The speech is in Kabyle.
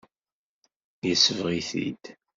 Yesbeɣ-it-id.